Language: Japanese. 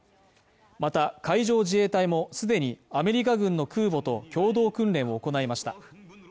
また海上自衛隊も既にアメリカ軍の空母と共同訓練を行いました